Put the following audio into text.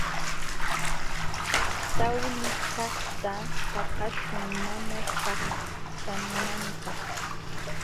Tawlikaqta paqaśhun mana ćhaqćhananpaq.